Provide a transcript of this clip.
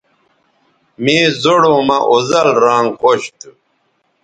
مے زوڑوں مہ اوزل رانگ خوش تھو